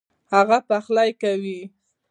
هغه پخلی کوي